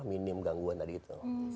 minim gangguan tadi itu